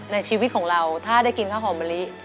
ในชีวิตของเราถ้าได้กินข้าวหอมมะลิ